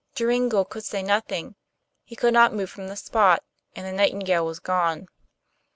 Joringel could say nothing; he could not move from the spot, and the nightingale was gone.